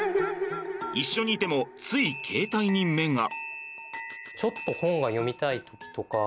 一緒にいてもつい携帯に目が。